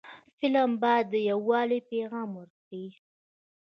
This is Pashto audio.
فلم باید د یووالي پیغام ورکړي